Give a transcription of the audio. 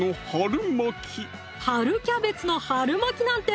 春キャベツの春巻きなんて